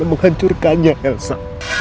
kamu menghancurkannya elsa